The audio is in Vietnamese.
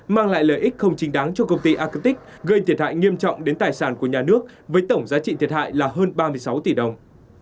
mang lại lợi ích không chính đáng cho công ty agic gây thiệt hại nghiêm trọng đến tài sản của nhà nước với tổng giá trị thiệt hại là hơn ba mươi sáu tỷ đồng